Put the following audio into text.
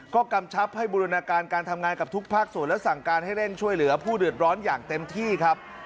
ก็กำชับให้บูรณาการการทำงานกับทุกภาคส่วนและสั่งการให้เร่งช่วยเหลือผู้เดือดร้อนอย่างเต็มที่ครับ